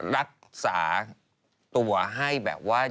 รักษาตัวให้แบบว่า